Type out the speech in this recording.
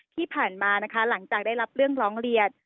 ที่ผ่านมานะคะหลังจากได้รับเรื่องร้องเรียน